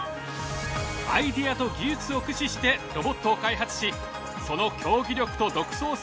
アイデアと技術を駆使してロボットを開発しその競技力と独創性を競う。